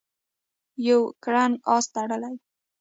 یو کرنګ آس تړلی دی.